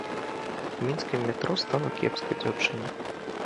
У мінскім метро стала кепска дзяўчыне.